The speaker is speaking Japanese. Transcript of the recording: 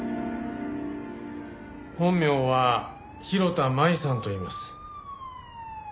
本名は広田舞さんといいます。